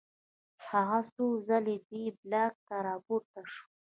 هغه څو ځله دې بلاک ته راپورته شو